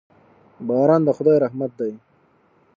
باران د خدای رحمت دی.